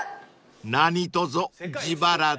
［何とぞ自腹で］